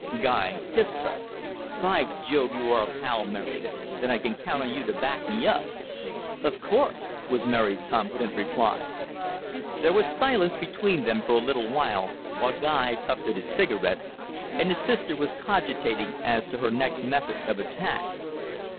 Guy kissed her. "By Jove, you are a pal, Mary. Then I can count on you to back me up." "Of course," was Mary's confident reply. There was silence between them for a little while, while Guy puffed at his cigarette, and his sister was cogitating as to her next method of attack.